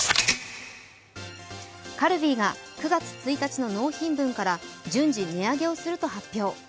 カルビーが９月１日の納品分から順次値上げをすると発表。